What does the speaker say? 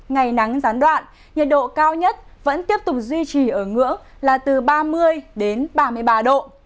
ngày nắng gián đoạn nhiệt độ cao nhất vẫn tiếp tục duy trì ở ngưỡng là từ ba mươi đến ba mươi ba độ